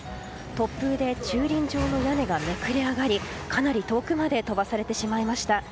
突風で駐輪場の屋根がめくれ上がりかなり遠くまで飛ばされてしまいました。